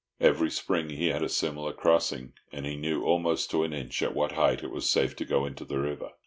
Every spring he had a similar crossing, and he knew almost to an inch at what height it was safe to go into the river.